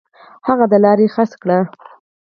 هغه د لارې خرڅ ورکړي.